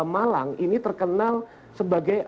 malang ini terkenal sebagai